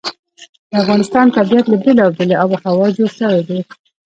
د افغانستان طبیعت له بېلابېلې آب وهوا جوړ شوی دی.